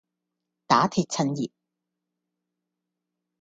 打鐵趁熱